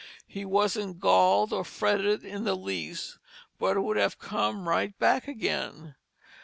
He wasn't galled or fretted in the least but would have come right back again.